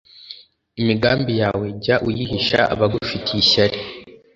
imigambi yawe, jya uyihisha abagufitiye ishyari.